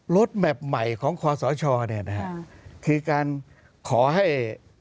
แมพใหม่ของคอสชเนี่ยนะฮะคือการขอให้